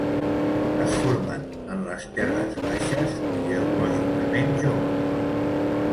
Es formen en les terres baixes geològicament joves.